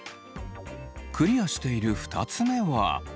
クリアしている２つ目は。